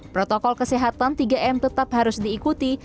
protokol kesehatan tiga m tetap harus diikuti